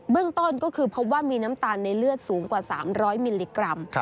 ต้นก็คือพบว่ามีน้ำตาลในเลือดสูงกว่า๓๐๐มิลลิกรัม